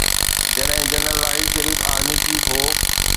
جڏهن general Raheel Sharif army chief هو.